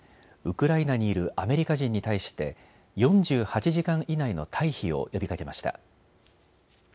ウクライナにいるアメリカ人に対して４８時間以内の退避を呼びかけました。